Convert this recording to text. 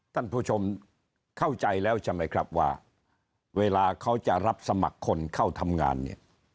ท่านผู้ชมเข้าใจแล้วใช่ไหมครับว่าเวลาเขาจะรับสมัครคนเข้าทำงานเนี่ย